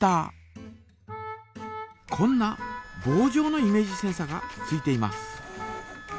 こんなぼうじょうのイメージセンサがついています。